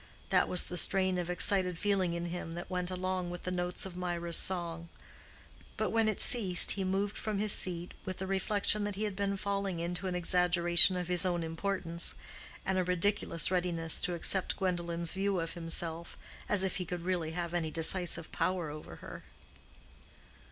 That was the strain of excited feeling in him that went along with the notes of Mirah's song; but when it ceased he moved from his seat with the reflection that he had been falling into an exaggeration of his own importance, and a ridiculous readiness to accept Gwendolen's view of himself, as if he could really have any decisive power over her.